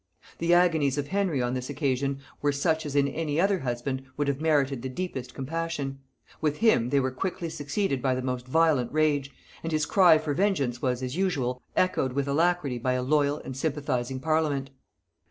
The agonies of Henry on this occasion were such as in any other husband would have merited the deepest compassion: with him they were quickly succeeded by the most violent rage; and his cry for vengeance was, as usual, echoed with alacrity by a loyal and sympathizing parliament.